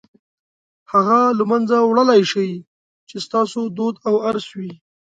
هغه له منځه وړلای شئ چې ستاسو دود او ارث وي.